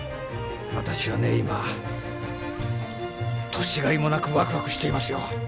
私はね今年がいもなくワクワクしていますよ。